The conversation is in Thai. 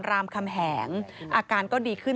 พบหน้าลูกแบบเป็นร่างไร้วิญญาณ